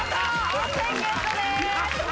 温泉ゲットです！